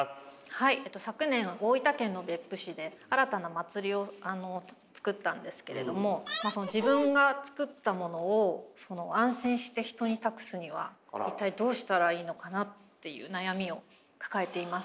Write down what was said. はい昨年大分県の別府市で新たな祭りを作ったんですけれども自分が作ったものを安心して人に託すには一体どうしたらいいのかなっていう悩みを抱えています。